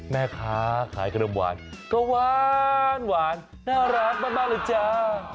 แม่ค้าขายขนมหวานก็หวานน่ารักมากเลยจ้า